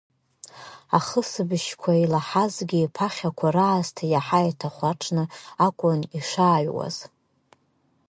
Ахысбыжьқәа илаҳазгьы, ԥахьақәа раасҭа иаҳа иҭахәаҽны акәын ишааҩуаз.